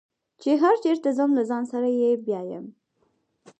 چې هر چېرته ځم له ځان سره یې بیایم.